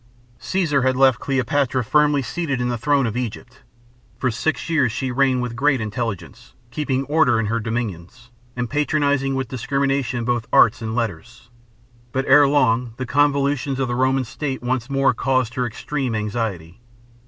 Caesar had left Cleopatra firmly seated on the throne of Egypt. For six years she reigned with great intelligence, keeping order in her dominions, and patronizing with discrimination both arts and letters. But ere long the convulsions of the Roman state once more caused her extreme anxiety.